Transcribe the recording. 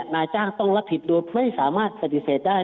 นายจ้างต้องรับผิดโดยไม่สามารถปฏิเสธได้